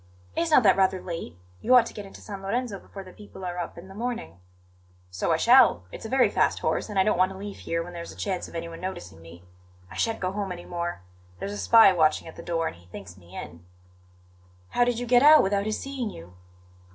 "Is not that rather late? You ought to get into San Lorenzo before the people are up in the morning." "So I shall; it's a very fast horse; and I don't want to leave here when there's a chance of anyone noticing me. I shan't go home any more; there's a spy watching at the door, and he thinks me in." "How did you get out without his seeing you?"